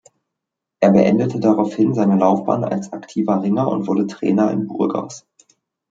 Er beendete daraufhin seine Laufbahn als aktiver Ringer und wurde Trainer in Burgas.